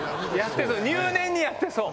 入念にやってそう。